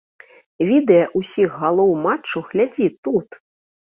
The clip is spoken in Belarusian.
Відэа ўсіх галоў матчу глядзі тут!